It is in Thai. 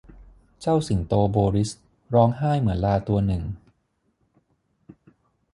เจ้าสิงโตโบริสร้องไห้เหมือนลาตัวหนึ่ง